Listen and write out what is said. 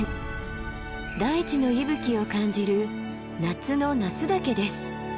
大地の息吹を感じる夏の那須岳です。